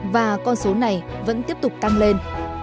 và con số này vẫn tiếp tục tăng lên